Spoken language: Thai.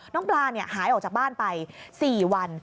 น้องปลาหายออกจากบ้านไป๔วัน